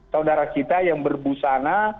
saudara kita yang berbusana